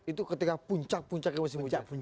itu ketika puncak puncak ke musim hujan